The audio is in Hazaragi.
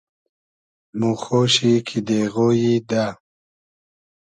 مۉ خۉشی کی دېغۉیی دۂ